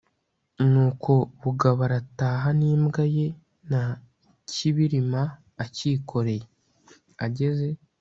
nuko bugabo arataha n'imbwa ye na ... kibirima akikoreye. ageze